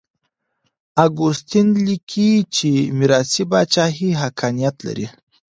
اګوستين ليکي چي ميراثي پاچاهي حقانيت لري.